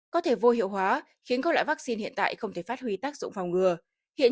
có thể vô hiệu hóa khiến các loại vaccine hiện tại không thể phát huy tác dụng phòng ngừa hiện